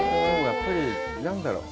やっぱり何だろう。